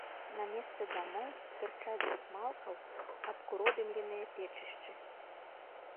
На месцы дамоў тырчаць з асмалкаў абкуродымленыя печышчы.